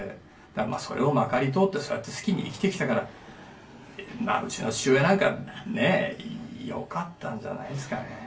だからそれをまかり通ってそうやって好きに生きてきたからまあうちの父親なんかねよかったんじゃないですかね。